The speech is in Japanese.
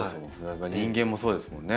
人間もそうですもんね。